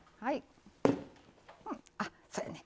うんあっそうやね。